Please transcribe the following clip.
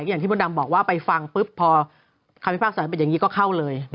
อย่างที่มดดำบอกว่าไปฟังปุ๊บพอคำพิพากษาเป็นอย่างนี้ก็เข้าเลย